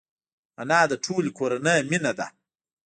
انا د ټولې کورنۍ مینه ده